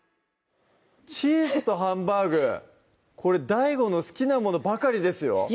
チーズとハンバーグこれＤＡＩＧＯの好きなものばかりですよ